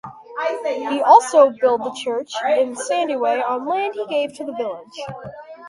He also build the church in Sandiway on land he gave to the village.